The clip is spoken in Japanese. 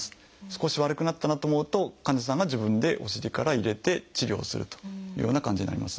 少し悪くなったなと思うと患者さんが自分でお尻から入れて治療をするというような感じになります。